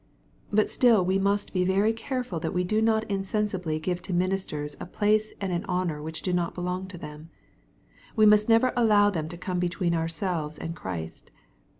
But still we must be very careful that we do not insensibly give to ministers a place and an honor which do not belong to them. We must never allow them to come between ourselves and Christ.